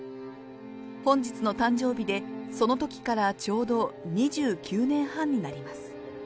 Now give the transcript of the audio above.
本日の誕生日で、そのときからちょうど２９年半になります。